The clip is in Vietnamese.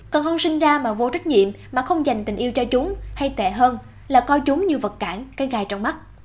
còn hưng sinh ra mà vô trách nhiệm mà không dành tình yêu cho chúng hay tệ hơn là coi chúng như vật cản cái gai trong mắt